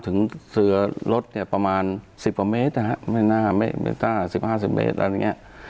ถึงเสือรถเนี่ยประมาณสิบห้อเมตรนะฮะไม่น่าไม่น่าสิบห้าสิบเมตรอะไรอย่างเงี้ย